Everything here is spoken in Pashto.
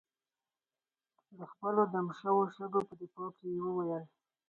د خپلو دم شوو شګو په دفاع کې یې وویل.